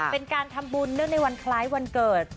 เป็นการทำบุญเนื่องในวันคล้ายวันเกิด